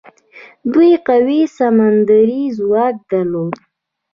دوی قوي سمندري ځواک درلود.